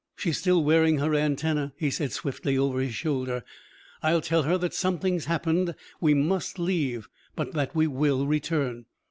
"She's still wearing her antenna," he said swiftly over his shoulder. "I'll tell her that something's happened; we must leave, but that we will return."